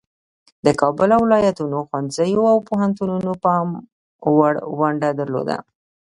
د کابل او ولایاتو ښوونځیو او پوهنتونونو پام وړ ونډه درلوده.